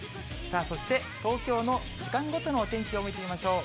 そして、東京の時間ごとのお天気を見てみましょう。